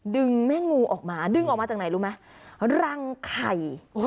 ดึงแม่งูออกมาดึงออกมาจากไหนรู้ไหมรังไข่